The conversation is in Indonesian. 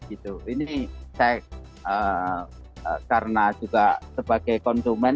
ini saya karena juga sebagai konsumen